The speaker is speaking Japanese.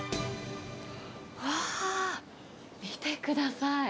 うわー、見てください。